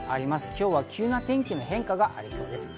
今日は急な天気の変化がありそうです。